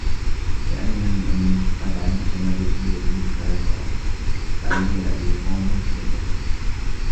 يَا أَمِيرَ الْمُؤْمِنِينَ قَدْ عَلِمْت مَا اُبْتُلِيَ بِهِ الْفَرَزْدَقُ فَعُيِّرَ بِهِ قَوْمٌ إلَى الْيَوْمِ